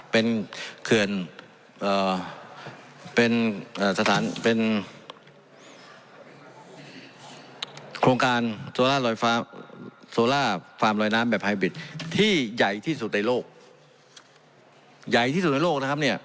เป็นเครื่องการโซล่าฟาร์มลอยน้ำแบบไฮบริตที่ใหญ่ที่สุดในโลก